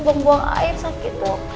bukan buang air sakit dok